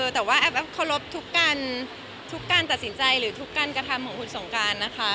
แต่ว่าแอฟเคารพทุกการตัดสินใจหรือทุกการกระทำของคุณสงการนะคะ